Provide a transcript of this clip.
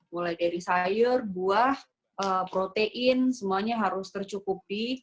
mulai dari sayur buah protein semuanya harus tercukupi